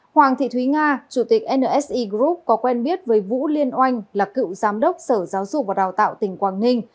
hoàng thị thúy nga chủ tịch nse group có quen biết với vũ liên oanh là cựu giám đốc sở giáo dục và đào tạo tỉnh quảng ninh